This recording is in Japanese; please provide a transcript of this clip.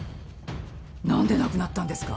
何で亡くなったんですか？